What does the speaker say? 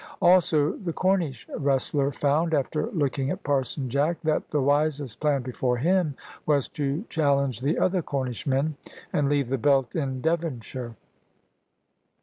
Also the Cornish wrestler found, after looking at Parson Jack, that the wisest plan before him was to challenge the other Cornishmen, and leave the belt in Devonshire.